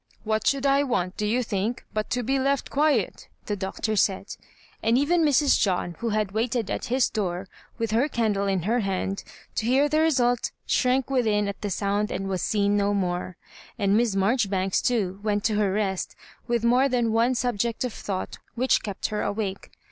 " What should I want, do you think,* but to be left quiet?" the Doctor said. And even Mrs. John, who had waited at his door, with her candle in her hand, to hear the result, shrank within at the sound and was seen no more. And Miss Marjoribanks, too, went to her rost, with moro than one sub ject of thought which kept her awake.